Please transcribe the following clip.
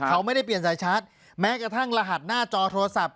เขาไม่ได้เปลี่ยนสายชาร์จแม้กระทั่งรหัสหน้าจอโทรศัพท์